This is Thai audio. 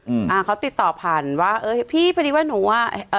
อืมอ่าเขาติดต่อผ่านว่าเอ้ยพี่พอดีว่าหนูอ่ะเอ่อ